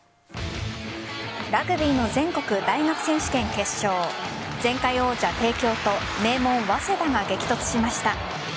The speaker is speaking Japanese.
ラグビーの全国大学選手権決勝前回王者・帝京と名門・早稲田が激突しました。